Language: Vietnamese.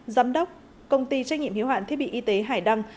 giám đốc công ty trách nhiệm hiếu hạn thiết bị y tế hải đăng